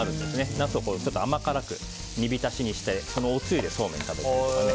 ナスを甘辛く煮びたしにしてそのおつゆでそうめんを食べるというね。